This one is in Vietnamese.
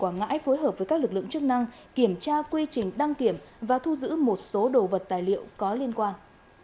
quảng ngãi phối hợp với các lực lượng chức năng kiểm tra quy trình đăng kiểm và thu giữ một số đồ vật tài liệu có liên quan